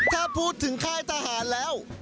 ถ้าพูดถึงค่ายทหารแล้ว